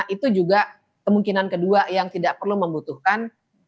itu juga kemungkinan kedua yang tidak perlu membutuhkan